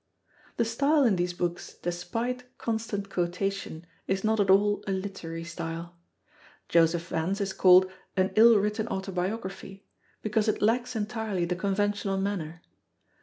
The style in these books, despite constant quotation, is not at all a literary style. Joseph Vance is called "an ill written autobiography," because it lacks entirely the conventional manner.